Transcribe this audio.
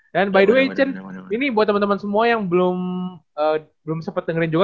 dan by the way chen ini buat teman teman semua yang belum sempet dengerin juga